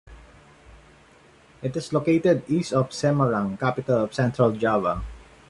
It is located east of Semarang, capital of Central Java.